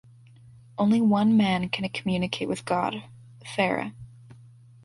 Only one man can communicate with God, Pharaoh.